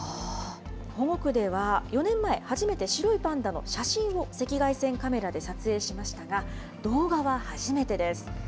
保護区では４年前、初めて白いパンダの写真を赤外線カメラで撮影しましたが、動画は初めてです。